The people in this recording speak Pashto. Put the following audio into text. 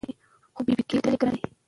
خو بېبي کېدل یې ګران دي